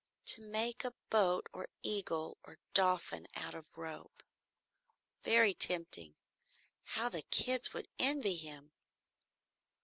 To make a boat or eagle or dolphin out of rope? Very tempting! How the kids would envy him!